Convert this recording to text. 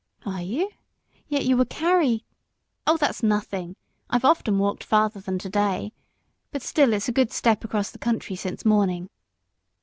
"Are you? Yet you would carry " "Oh that's nothing. I've often walked farther than to day. But still it's a good step across the country since morning."